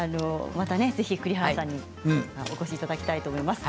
また、ぜひ栗原さんにお越しいただきたいと思います。